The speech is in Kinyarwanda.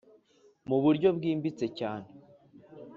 mu buryo bwimbitse cyane